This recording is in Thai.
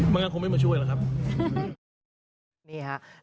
มันก็คงไม่มาช่วยแล้วครับ